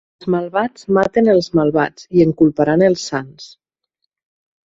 Els malvats maten els malvats, i en culparan els sants.